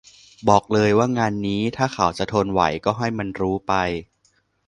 บอกเลยว่างานนี้ถ้าเขาจะทนไหวก็ให้มันรู้ไป